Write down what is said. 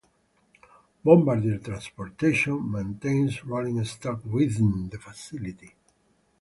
Bombardier Transportation maintains rolling stock within the facility.